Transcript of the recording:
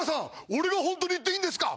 俺が本当にいっていいんですか？